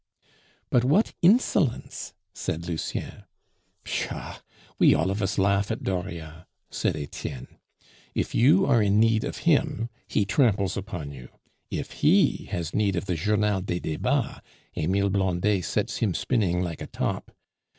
"But what insolence!" said Lucien. "Pshaw! we all of us laugh at Dauriat," said Etienne. "If you are in need of him, he tramples upon you; if he has need of the Journal des Debats, Emile Blondet sets him spinning like a top.